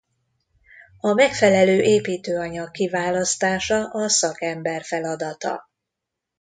A megfelelő építőanyag kiválasztása a szakember feladata.